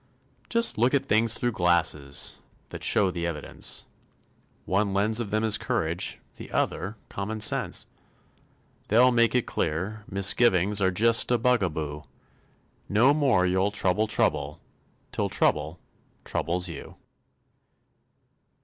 Just look at things through glasses That show the evidence; One lens of them is courage, The other common sense. They'll make it clear, misgivings Are just a bugaboo; No more you'll trouble trouble Till trouble troubles you.